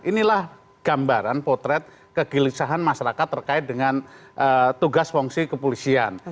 inilah gambaran potret kegelisahan masyarakat terkait dengan tugas fungsi kepolisian